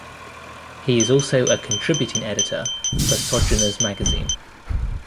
He is also a contributing editor for "Sojourners Magazine".